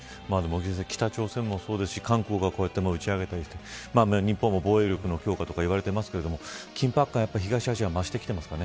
北朝鮮もそうですし韓国がこうやって打ち上げて日本も防衛力の強化と言われていますが緊迫感が東アジア増してきていますかね。